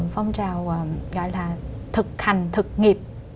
phong trào gọi là thực hành thực nghiệp